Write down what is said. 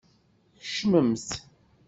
Kecmemt!